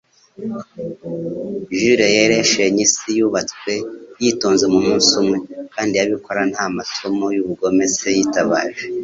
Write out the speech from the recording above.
Jule yari yarashenye isi yubatswe yitonze mumunsi umwe, kandi yabikora nta masomo yubugome se yitabaje.